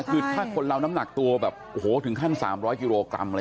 คือถ้าคนเราน้ำหนักตัวแบบโอ้โหถึงขั้น๓๐๐กิโลกรัมเลย